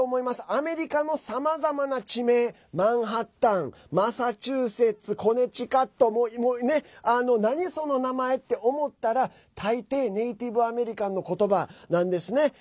アメリカのさまざまな地名マンハッタン、マサチューセッツコネチカット何その名前って思ったらたいていネイティブアメリカンのことばなんですね。